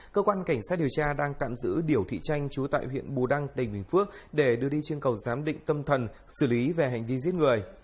cơ quan cảnh sát điều tra đang tạm giữ điểu thị chanh trú tại huyện bù đăng tỉnh bình phước để đưa đi chương cầu giám định tâm thần xử lý về hành vi giết người